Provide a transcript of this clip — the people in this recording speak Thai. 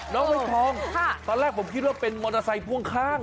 น้องใบตองตอนแรกผมคิดว่าเป็นมอเตอร์ไซค์พ่วงข้าง